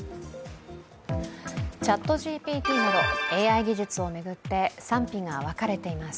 ＣｈａｔＧＰＴなど、ＡＩ技術を巡って賛否が分かれています。